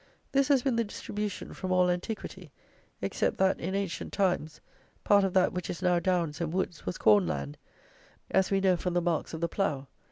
This has been the distribution from all antiquity, except that, in ancient times, part of that which is now downs and woods was corn land, as we know from the marks of the plough.